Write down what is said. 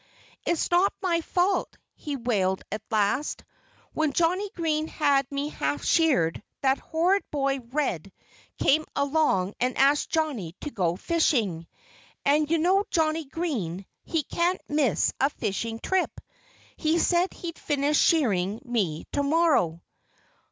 "It's not my fault," he wailed at last. "When Johnnie Green had me half sheared that horrid boy Red came along and asked Johnnie to go fishing. And you know Johnnie Green! He can't miss a fishing trip. ... He said he'd finish shearing me to morrow."